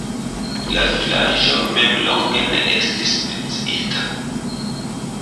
La vilaĝo mem longe ne estis menciita.